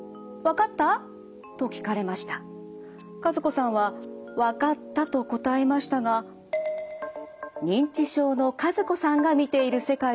和子さんはわかったと答えましたが認知症の和子さんが見ている世界では。